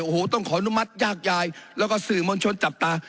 โอ้โหต้องขออนุมัติยากยายแล้วก็สื่อมวลชนจับตา